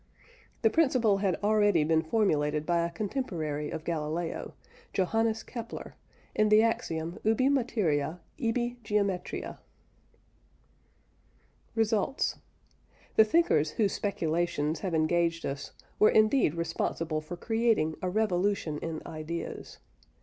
The principle had already been formulated by a contemporary of Galileo Johannes Kepler in the axiom ubi materia, ibi geometria. RESULTS. The thinkers whose speculations have engaged us were indeed responsible for creating a revolution in ideas.